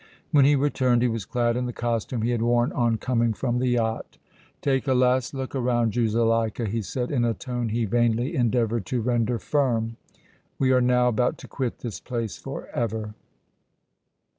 When he returned he was clad in the costume he had worn on coming from the yacht. "Take a last look around you, Zuleika," he said, in a tone he vainly endeavored to render firm. "We are now about to quit this place forever!"